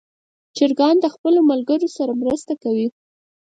چرګان د خپلو ملګرو سره مرسته کوي.